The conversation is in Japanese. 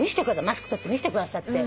マスク取って見せてくださって。